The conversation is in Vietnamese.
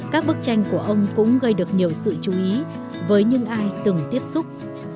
các bức tranh của ông cũng gây được nhiều sự chú ý với những ai từng tiếp xúc